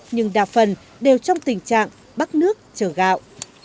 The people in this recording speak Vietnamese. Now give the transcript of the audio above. nhưng đa phần đều trong tình trạng bắt nước chở gạo